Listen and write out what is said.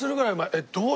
えっどう。